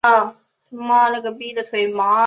东周春秋战国时期齐国的政治人物。